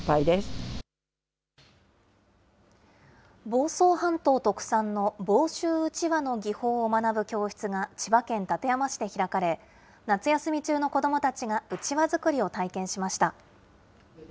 房総半島特産の房州うちわの技法を学ぶ教室が、千葉県館山市で開かれ、夏休み中の子どもたちがうちわ作りを体験しました。